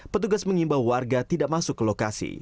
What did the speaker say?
petugas mengimbau warga tidak masuk ke lokasi